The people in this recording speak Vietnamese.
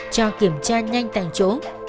cho kiểm tra nhanh tại chỗ